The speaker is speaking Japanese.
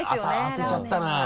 当てちゃったな。